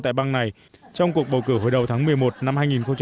tại bang này trong cuộc bầu cử hồi đầu tháng một mươi một năm hai nghìn một mươi tám